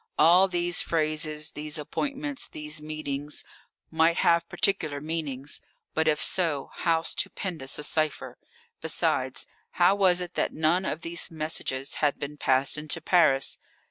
All these phrases, these appointments, these meetings, might have particular meanings. But if so, how stupendous a cipher! Besides, how was it that none of these messages had been passed into Paris?